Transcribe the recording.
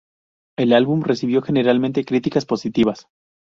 El álbum recibió generalmente críticas positivas.